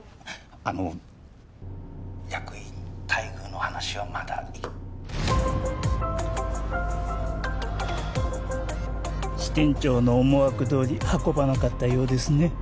あの☎役員待遇の話はまだ支店長の思惑どおり運ばなかったようですね